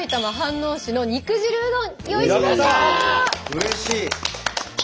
うれしい！